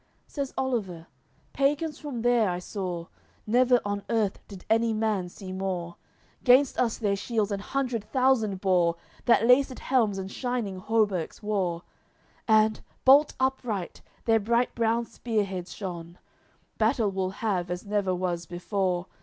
LXXXII Says Oliver: "Pagans from there I saw; Never on earth did any man see more. Gainst us their shields an hundred thousand bore, That laced helms and shining hauberks wore; And, bolt upright, their bright brown spearheads shone. Battle we'll have as never was before.